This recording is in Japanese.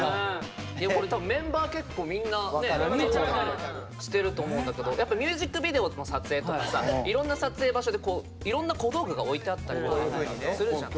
これ多分メンバー結構みんなね知ってると思うんだけどやっぱミュージックビデオの撮影とかさいろんな撮影場所でいろんな小道具が置いてあったりとかするじゃん。